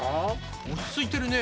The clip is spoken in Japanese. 落ち着いてるね。